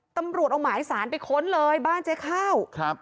ตำรวจเอาหมายสารไปค้นเลยบ้านเจ๊ข้าวครับ